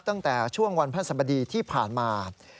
ตั้งแต่ช่วงวันพระสบดีที่ผ่านมา